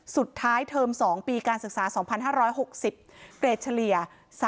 สุดท้ายเทอม๒ปีการศึกษา๒๕๖๐เกรดเฉลี่ย๓๖๕